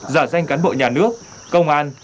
giả danh cán bộ nhà nước công an